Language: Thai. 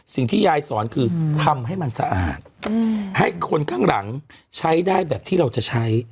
สิ่งที่ยายสอนคือทำให้มันสะอาดให้คนข้างหลังใช้ได้แบบที่เราจะใช้